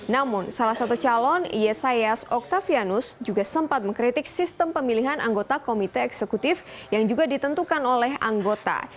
namun salah satu calon yesayas oktavianus juga sempat mengkritik sistem pemilihan anggota komite eksekutif yang juga ditentukan oleh anggota